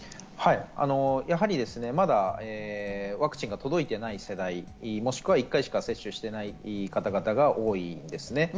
やはり、まだワクチンが届いていない世代、もしくは１回しか接種していない方が多いんですね。